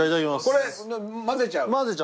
これ混ぜちゃう？